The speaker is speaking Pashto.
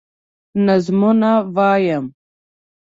نظمونه وايم